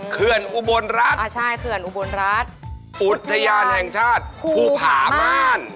เคื่อนอุบลรัฐฯอุทยานห่างชาติภูผาม่านอุตเทียนภูผาม่าน